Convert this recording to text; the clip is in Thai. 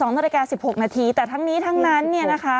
๒นาฬิกา๑๖นาทีแต่ทั้งนี้ทั้งนั้นเนี่ยนะคะ